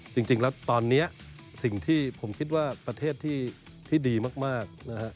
จริงแล้วตอนนี้สิ่งที่ผมคิดว่าประเทศที่ดีมากนะฮะ